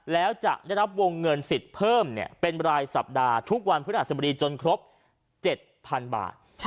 แล้วจะได้รับวงเงินสิทธิ์เพิ่มเป็นรายสัปดาห์ทุกวันพฤหัสบดีจนครบ๗๐๐๐บาท